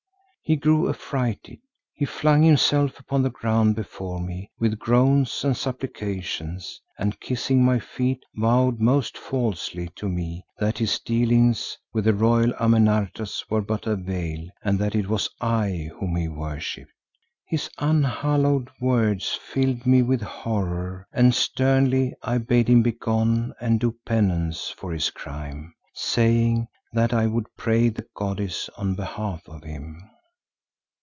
He grew affrighted. He flung himself upon the ground before me with groans and supplications, and kissing my feet, vowed most falsely to me that his dealings with the royal Amenartas were but a veil and that it was I whom he worshipped. His unhallowed words filled me with horror and sternly I bade him begone and do penance for his crime, saying that I would pray the goddess on behalf of him.